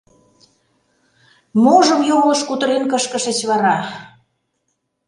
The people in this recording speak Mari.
— Можым йоҥылыш кутырен кышкышыч вара?